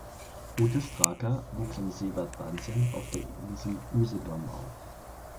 Ute Straka wuchs im Seebad Bansin auf der Insel Usedom auf.